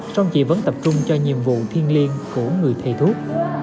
trong chị vẫn tập trung cho nhiệm vụ thiên liêng của người thầy thuốc